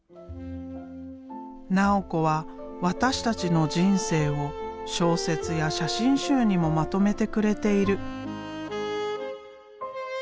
直子は私たちの人生を小説や写真集にもまとめてくれている。